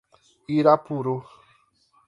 Irapuru